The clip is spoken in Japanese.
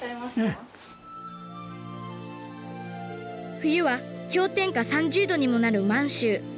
冬は氷点下３０度にもなる満州。